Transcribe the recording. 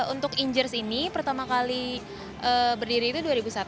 untuk ingers ini pertama kali berdiri itu dua ribu satu